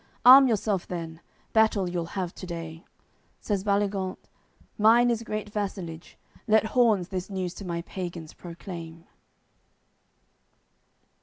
Arm yourself then: Battle you'll have to day." Says Baligant: "Mine is great vassalage; Let horns this news to my pagans proclaim."